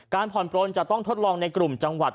ผ่อนปลนจะต้องทดลองในกลุ่มจังหวัด